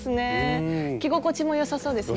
着心地もよさそうですね。